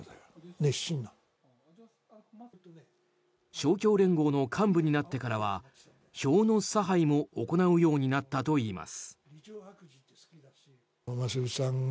勝共連合の幹部になってからは票の差配も行うようになったといいます。